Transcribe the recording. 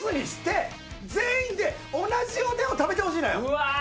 うわ。